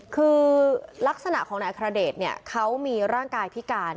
คือลักษณะของนายอัครเดชเนี่ยเขามีร่างกายพิการ